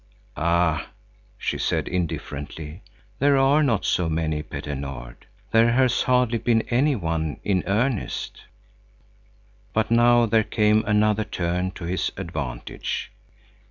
"Ah," she said, indifferently, "there are not so many, Petter Nord. There has hardly been any one in earnest." But now there came another turn to his advantage.